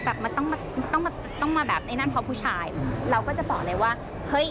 แบบมันต้องมาต้องมาต้องมาแบบไอ้นั่นเพราะผู้ชายเราก็จะบอกเลยว่าเฮ้ย